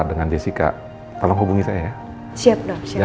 dengan jessica tolong hubungi saya ya siap